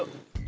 gue mau mandi